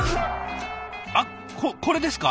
あっここれですか？